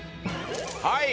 はい。